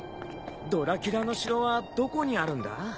ドラキュラの城はどこにあるんだ？